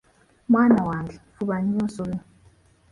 Mwana wange fuba nnyo osome.